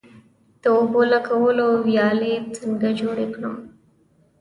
د اوبو لګولو ویالې څنګه جوړې کړم؟